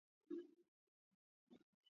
მოსახლეობის უდიდესი ნაწილი კათოლიკეა.